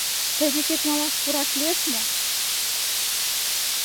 Тый декет малаш пураш лиеш мо?